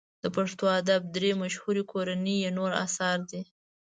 د پښتو ادب درې مشهوري کورنۍ یې نور اثار دي.